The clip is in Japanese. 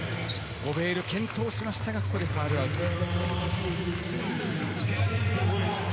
ゴベール健闘しましたが、ここでファウルアウトです。